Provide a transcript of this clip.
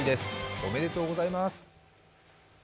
おめでとうございます。